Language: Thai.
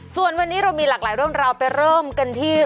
ส่วนวันนี้เรามีหลากหลายเรื่องราวไปเริ่มกันที่